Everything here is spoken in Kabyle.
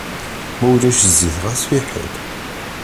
Ma ulac zzit xas fiḥel.